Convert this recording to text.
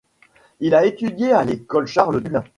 Il a étudié à l'école Charles-Dullin.